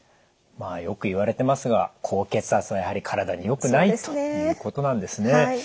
まあよく言われてますが高血圧がやはり体によくないということなんですね。